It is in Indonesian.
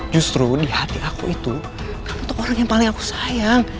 justru di hati aku itu untuk orang yang paling aku sayang